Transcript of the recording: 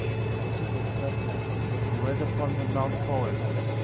4. And Jesus left them, and went upon the Mount of Olives.